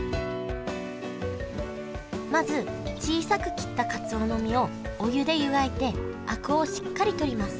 まず小さく切ったかつおの身をお湯で湯がいてあくをしっかりとります